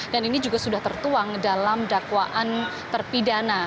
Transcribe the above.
dan ini juga sudah tertuang dalam dakwaan terpidana